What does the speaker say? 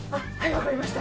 分かりました。